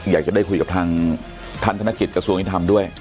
อยากจะได้คุยกับทางท่านธนกิจกระทรวงยุติธรรมด้วย